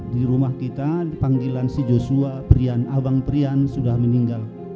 di rumah kita panggilan si joshua abang prian sudah meninggal